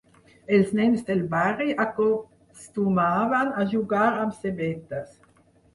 Els nens del barri acostumaven a jugar amb cebetes.